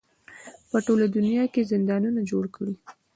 په ټوله دنیا کې یې زندانونه جوړ کړي.